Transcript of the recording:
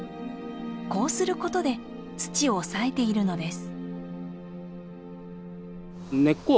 こうすることで土を抑えているのです。